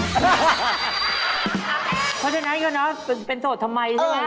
เพราะฉะนั้นก็เนาะเป็นโสดทำไมใช่ไหม